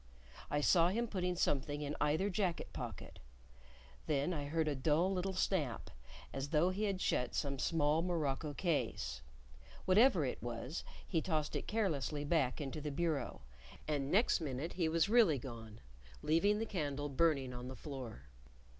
I saw him putting something in either jacket pocket. Then I heard a dull little snap, as though he had shut some small morocco case; whatever it was, he tossed it carelessly back into the bureau; and next minute he was really gone, leaving the candle burning on the floor.